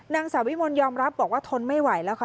นางสาววิมลยอมรับบอกว่าทนไม่ไหวแล้วค่ะ